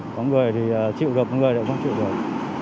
có người thì chịu được có người thì cũng không chịu được